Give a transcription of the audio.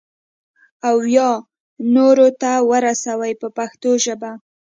او یا نورو ته ورسوي په پښتو ژبه.